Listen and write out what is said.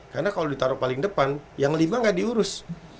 karena kalau ditaruh paling depan yang lima nggak diurus